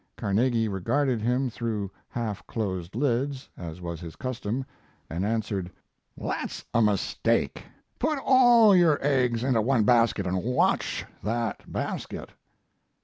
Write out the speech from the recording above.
Carnegie regarded him through half closed lids, as was his custom, and answered: "That's a mistake; put all your eggs into one basket and watch that basket."